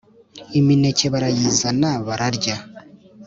" imineke barayizana bararya,